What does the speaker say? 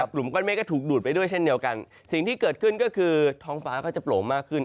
กลุ่มก้อนเมฆก็ถูกดูดไปด้วยเช่นเดียวกันสิ่งที่เกิดขึ้นก็คือท้องฟ้าก็จะโปร่งมากขึ้น